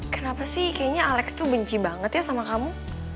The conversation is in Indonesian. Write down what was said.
kenapa sih kayaknya alex tuh benci banget ya sama kamu